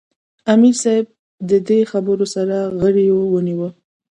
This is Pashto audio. " امیر صېب د دې خبرو سره غرېو ونیوۀ ـ